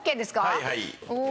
はいはい。